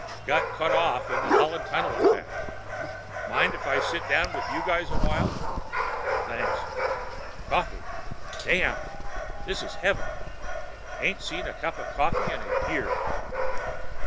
Got cut off in that Holland Tunnel attack. Mind if I sit down with you guys a while? Thanks. Coffee? Damn! This is heaven. Ain't seen a cup of coffee in a year.